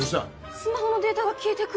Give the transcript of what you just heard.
スマホのデータが消えてく。